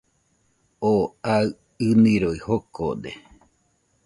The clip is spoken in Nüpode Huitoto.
Oo aɨ ɨniroi jokode